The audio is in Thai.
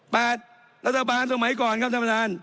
รัฐบาลสมัยก่อนครับท่านประธาน